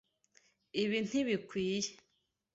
Ibi ntibikwiye.